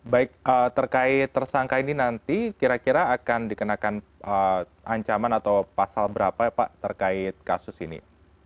baik terkait tersangka ini nanti kira kira akan dikenakan ancaman atau pasal berapa pak terkait kasus ini